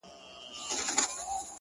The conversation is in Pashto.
• زما له مخي دوې مچکي واخلي بیره ځغلي ,